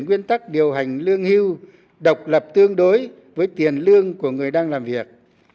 nguyên tắc điều hành lương hưu độc lập tương đối với tiền lương của người đang làm việc